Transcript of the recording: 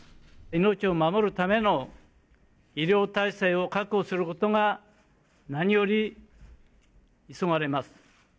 命を守るための医療体制を確保することが何より急がれます。